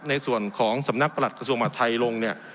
ในส่วนของสำนักประหลักส่วนมหาธัยลงเนี่ย